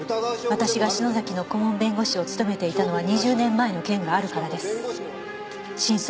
「私が篠崎の顧問弁護士を務めていたのは２０年前の件があるからです」